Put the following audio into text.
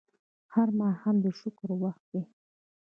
هر ماښام د شکر وخت دی